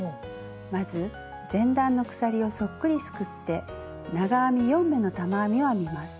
まず前段の鎖をそっくりすくって長編み４目の玉編みを編みます。